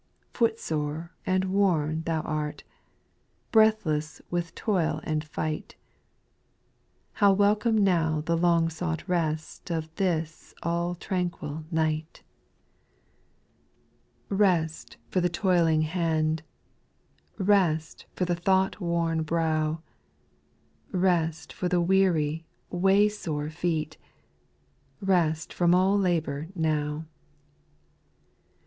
4. Foot sore and worn thou art, Breathless with toil and fight ; How welcome now the long sought rest Of this all trauquil night I 21* 246 SPIRITUAL SONGS, 5. Rest for tbe toiling hand, Rest for the thought worn brow, Rest for the weary, way sore feet, Rest from all labour now.